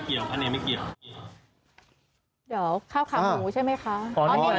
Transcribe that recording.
พระอาจารย์เนี่ยไม่เกี่ยวพระอาจารย์เนี่ยไม่เกี่ยว